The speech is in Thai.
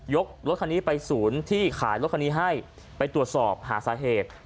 รถคันนี้ไปศูนย์ที่ขายรถคันนี้ให้ไปตรวจสอบหาสาเหตุ